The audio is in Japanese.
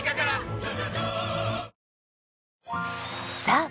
さあ